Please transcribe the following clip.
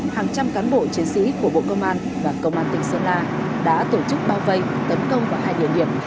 hàng trăm cán bộ chiến sĩ của bộ công an và công an tỉnh sơn la đã tổ chức bao vây tấn công vào hai địa điểm